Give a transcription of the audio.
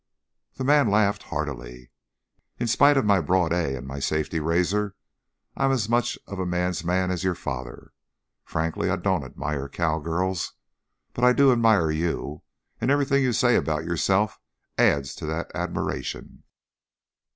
The man laughed heartily. "In spite of my broad 'a' and my safety razor, I'm as much of a man's man as your father. Frankly, I don't admire cowgirls, but I do admire you and everything you say about yourself adds to that admiration.